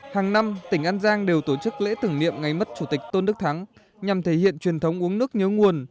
hàng năm tỉnh an giang đều tổ chức lễ tưởng niệm ngày mất chủ tịch tôn đức thắng nhằm thể hiện truyền thống uống nước nhớ nguồn